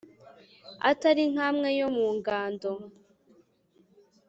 Atari nk`amwe yo mu ngando